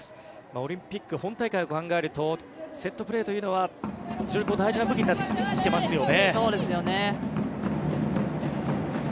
オリンピック本大会を考えるとセットプレーというのは非常に大事な武器になってきますよね。